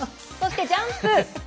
そしてジャンプ。